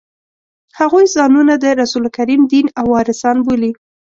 هغوی ځانونه د رسول کریم دین وارثان بولي.